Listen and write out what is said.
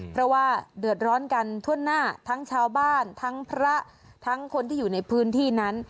เพราะว่าเดือดร้อนกันทั่วหน้าทั้งชาวบ้านทั้งพระทั้งคนที่อยู่ในพื้นที่นั้น